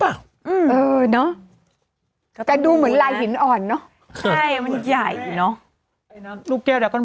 เปล่าเออเนาะแต่ดูเหมือนลายหินอ่อนเนาะค่ะไข่มันใหญ่เนาะิ้งมันแกี่วแต่กุลม